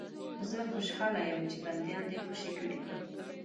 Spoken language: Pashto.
چې زه خوشاله یم چې بندیان دې خوشي کړي دي.